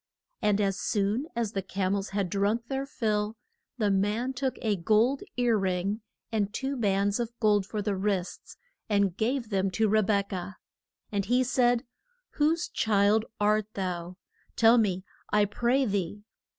And as soon as the cam els had drunk their fill, the man took a gold ear ring, and two bands of gold for the wrists, and gave them to Re bek ah. And he said, Whose child art thou? tell me, I pray thee.